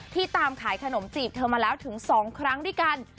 ตามขายขนมจีบเธอมาแล้วถึง๒ครั้งด้วยกัน